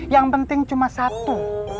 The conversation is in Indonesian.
yang penting cuma satu